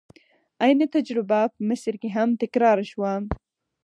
عین تجربه په مصر کې هم تکرار شوه.